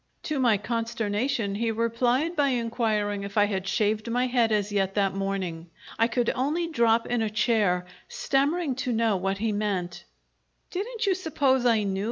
To my consternation he replied by inquiring if I had shaved my head as yet that morning. I could only drop in a chair, stammering to know what he meant. "Didn't you suppose I knew?"